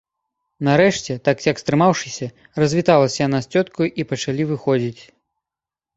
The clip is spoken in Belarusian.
Нарэшце, так-сяк стрымаўшыся, развіталася яна з цёткаю, і пачалі выходзіць.